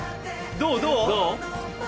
どう？